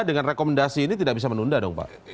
dengan rekomendasi ini tidak bisa menunda dong pak